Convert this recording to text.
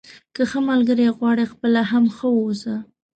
که ښه ملګری غواړئ خپله هم ښه واوسه.